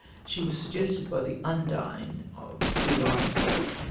She was suggested by the Undine of De La Motte Fouqué.